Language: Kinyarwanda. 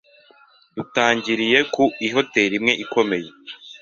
Dutangiriye ku ihoteri imwe ikomeye